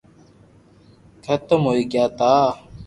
ختم ھوئي گيا تا